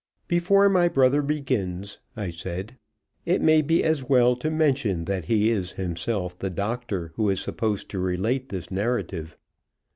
"Before my brother begins," I said, "it may be as well to mention that he is himself the doctor who is supposed to relate this narrative.